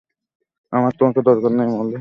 আমার তোমাকে দরকার নেই, মলি!